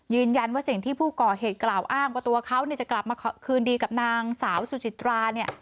สิ่งที่ผู้ก่อเหตุกล่าวอ้างว่าตัวเขาจะกลับมาคืนดีกับนางสาวสุจิตราเนี่ย